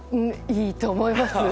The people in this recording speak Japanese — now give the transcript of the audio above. いいと思います。